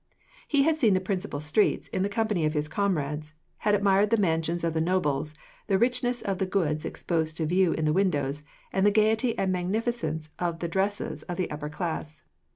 He had seen the principal streets, in the company of his comrades, had admired the mansions of the nobles, the richness of the goods exposed to view in the windows, and the gaiety and magnificence of the dresses of the upper class.